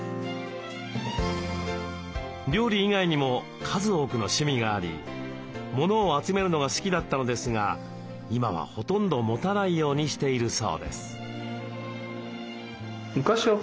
料理以外にも数多くの趣味がありモノを集めるのが好きだったのですが今はほとんど持たないようにしているそうです。